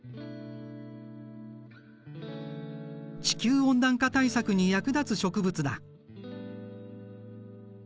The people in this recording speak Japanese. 地球温暖化対策に役立つ植物だ。